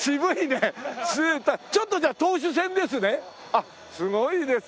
あっすごいです。